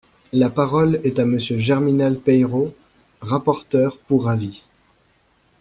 La parole est à Monsieur Germinal Peiro, rapporteur pour avis.